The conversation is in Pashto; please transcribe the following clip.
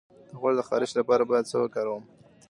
د غوږ د خارش لپاره باید څه وکاروم؟